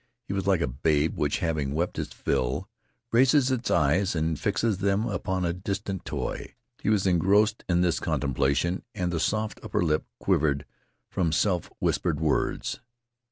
He was like a babe which, having wept its fill, raises its eyes and fixes upon a distant toy. He was engrossed in this contemplation, and the soft under lip quivered from self whispered words.